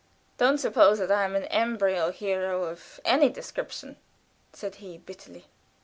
"Don't suppose that I am an embryo hero of any description," said he, bitterly.